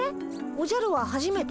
おじゃるははじめて？